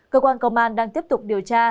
cơ quan công an đang tiếp tục điều tra